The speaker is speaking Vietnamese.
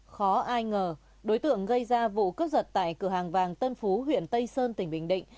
khó ai ngờ đối tượng gây ra vụ cướp giật tại cửa hàng vàng tân phú huyện tây sơn tỉnh bình định